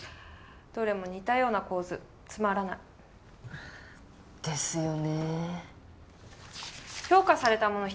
どれも似たような構図つまらないですよねー評価されたもの